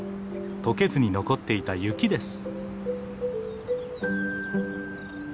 とけずに残っていた雪です。